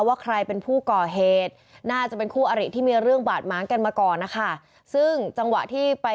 ก็ยิงแล้วยังมาตามกระถืบกันเลยแถมยังมายิ่มทราบอีก